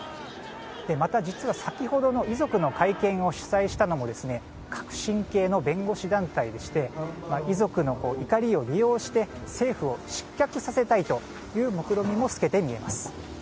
また、実は先ほどの遺族の会見を主催したのも革新系の弁護士団体でして遺族の怒りを利用して政府を失脚させたいという目論見も透けて見えます。